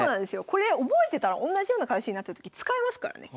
これ覚えてたらおんなじような形になったとき使えますからね。